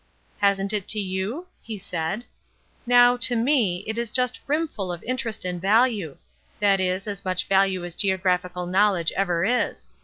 "Hasn't it to you?" he said. "Now, to me, it is just brimful of interest and value; that is, as much value as geographical knowledge ever is.